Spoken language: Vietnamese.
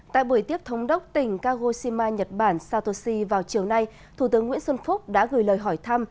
tại buổi tiếp thống đốc tỉnh kagoshima nhật bản satoshi vào chiều nay thủ tướng nguyễn xuân phúc đã gửi lời hỏi thăm